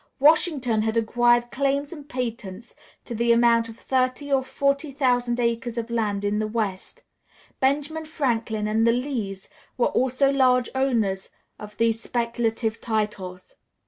Washington had acquired claims and patents to the amount of thirty or forty thousand acres of land in the West; Benjamin Franklin and the Lees were also large owners of these speculative titles.